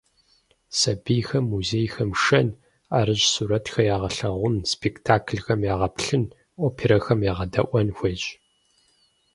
Сэбийхэр музейхэм шэн, ӏэрыщӏ сурэтхэр егъэлъэгъун, спектаклхэм егъэплъын, оперэхэм егъэдаӏуэн хуейщ.